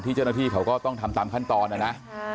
เจ้าหน้าที่เขาก็ต้องทำตามขั้นตอนนะนะ